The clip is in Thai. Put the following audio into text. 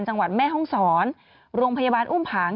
จังหวัดแม่ห้องศรโรงพยาบาลอุ้มผาง